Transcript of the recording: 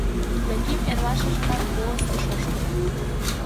Яким эрлашыжымак волостьыш ошкыльо.